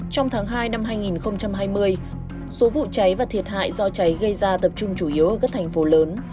trong tháng hai năm hai nghìn hai mươi số vụ cháy và thiệt hại do cháy gây ra tập trung chủ yếu ở các thành phố lớn